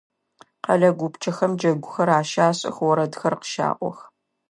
Къэлэ гупчэхэм джэгухэр ащашӏых, орэдхэр къыщаӏох.